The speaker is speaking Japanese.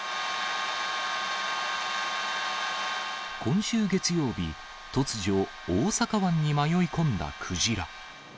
今週月曜日、突如、大阪湾に迷い込んだクジラ。